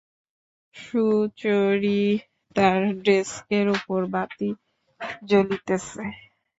সুচরিতার ডেস্কের উপরে বাতি জ্বলিতেছে।